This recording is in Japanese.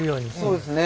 そうですね。